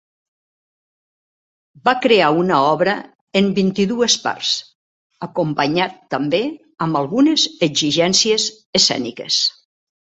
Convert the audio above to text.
Va crear una obra en vint-i-dues parts, acompanyat també amb algunes exigències escèniques.